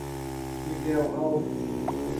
Miguel Alves